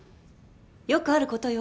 よくあることよ。